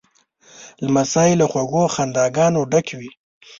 لمسی له خوږو خنداګانو ډک وي.